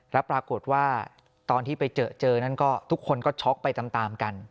แล้วปรากฏว่าตอนที่ไปเจอเจอนั้นก็ทุกคนก็ช็อกไปตามกัน